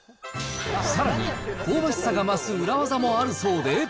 さらに、香ばしさが増す裏ワザもあるそうで。